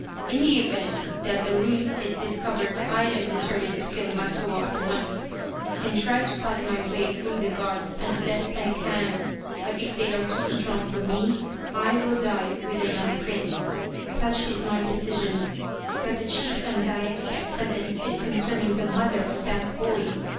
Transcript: In the event that the ruse is dis 201 Loyal, Even Unto Death covered, I am determined to kill Matsuo at once, and try to cut my way through the guards as best I can, but if they are too strong for me, I will die with the young prince. Such is my decision, but the chief anxiety at present is concerning the mother of that boy.